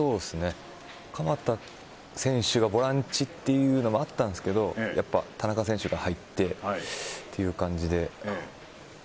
鎌田選手がボランチというのはあったんですけど、やっぱり田中選手が入ってという感じで。